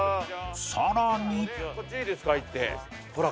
さらに